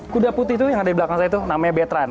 kuda putih itu yang ada di belakang saya itu namanya betran